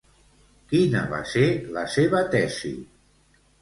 Quina va ser la seva tesi?